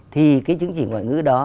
thì cái chứng chỉ ngoại ngữ đó